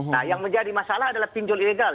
nah yang menjadi masalah adalah pinjol ilegal